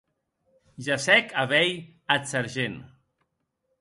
Gessec a veir ath sergent.